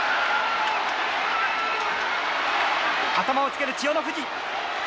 頭をつける千代の富士。